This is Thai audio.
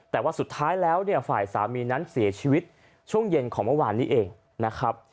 แต่ว่าสุดท้ายแล้วเนี่ยฝ่ายสามีนั้นเสียชีวิตช่วงเย็นของเมื่อวานนี้เองนะครับ